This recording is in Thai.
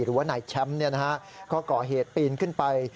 หรือว่านายแชมป์ก็ก่อเหตุปีนขึ้นไป